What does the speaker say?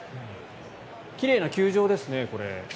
奇麗な球場ですね、これ。